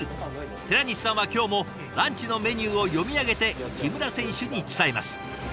寺西さんは今日もランチのメニューを読み上げて木村選手に伝えます。